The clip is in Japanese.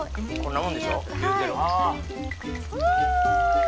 うわ！